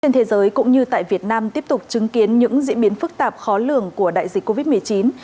trên thế giới cũng như tại việt nam tiếp tục chứng kiến những diễn biến phức tạp khó lường của đại dịch covid một mươi chín